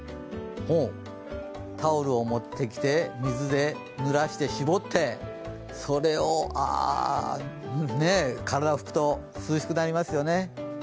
ほう、タオルを持ってきて水でぬらして絞ってそれで体をふくと涼しくなりますよね。